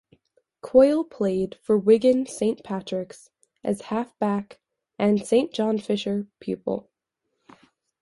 Coyle played for Wigan Saint Patricks as half back and Saint John Fisher pupil.